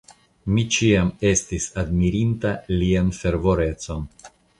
Mi ĉiam estis admirinta lian fervorecon.